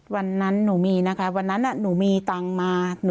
วันนั้นหนูมีนะคะวันนั้นหนูมีตังค์มา